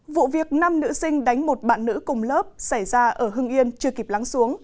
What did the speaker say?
vụ việc năm nữ sinh đánh một bạn nữ cùng lớp xảy ra ở hưng yên chưa kịp lắng xuống